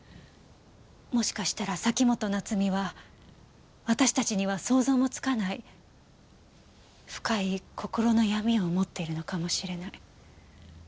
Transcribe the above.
もしかしたら崎本菜津美は私たちには想像もつかない深い心の闇を持っているのかもしれない。